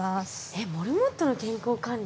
えっモルモットの健康管理？